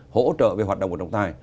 hỗ trợ về hoạt động của trồng tài